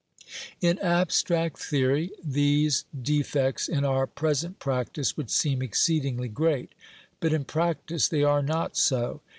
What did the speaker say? In abstract theory these defects in our present practice would seem exceedingly great, but in practice they are not so.